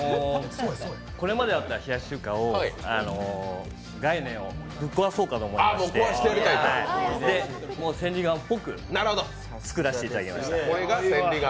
これまであった冷やし中華の概念をぶっ壊そうかと思いまして千里眼っぽく作らせていただきました。